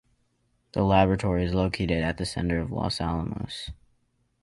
The laboratory is located at the center of Los Alamos.